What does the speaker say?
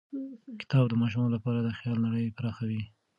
کتاب د ماشومانو لپاره د خیال نړۍ پراخوي.